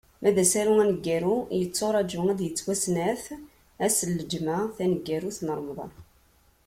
Ma d asaru aneggaru, yetturaǧu ad d-yettwasenɛet ass n lǧemɛa taneggarut n Remḍan.